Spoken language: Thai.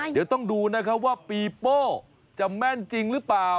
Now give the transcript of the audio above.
เดี๋ยวต้องดูนะครับว่าปีโป้จะแม่นจริงหรือเปล่า